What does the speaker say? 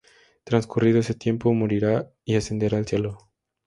Transcurrido ese tiempo morirá y ascenderá al cielo.